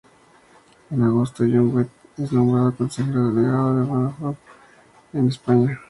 En agosto, John de Wit es nombrado Consejero Delegado de Vodafone en España.